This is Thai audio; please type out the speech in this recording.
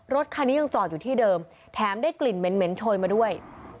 รถคันนี้ยังจอดอยู่ที่เดิมแถมได้กลิ่นเหม็นโชยมาด้วย